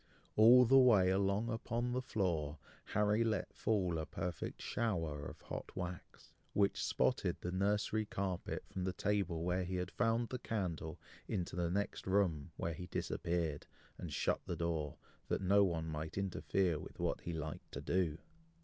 All the way along upon the floor, Harry let fall a perfect shower of hot wax, which spotted the nursery carpet from the table where he had found the candle into the next room, where he disappeared, and shut the door, that no one might interfere with what he liked to do.